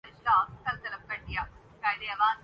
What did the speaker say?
یہ علامات کب اور کیسے واضح ہوتی ہیں